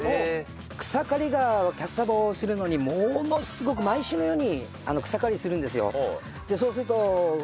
草刈りがキャッサバをするのにものすごく毎週のように草刈りするんですよ。